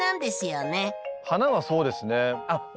花はそうですね。